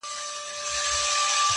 څه ګلاب سوې څه نرګس او څه سنبل سوې,